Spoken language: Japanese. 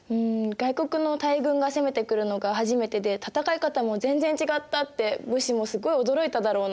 外国の大軍が攻めてくるのが初めてで戦い方も全然違ったって武士もすっごい驚いただろうな。